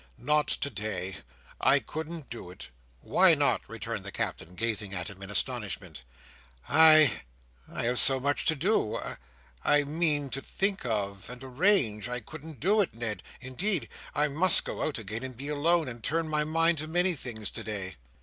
"Not today. I couldn't do it!" "Why not?" returned the Captain, gazing at him in astonishment. "I—I have so much to do. I—I mean to think of, and arrange. I couldn't do it, Ned, indeed. I must go out again, and be alone, and turn my mind to many things today."